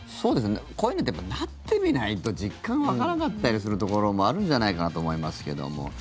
こういうのってなってみないと実感湧かなかったりするところもあるんじゃないかなと思いますけども。